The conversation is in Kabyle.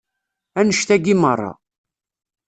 Annect-agi meṛṛa.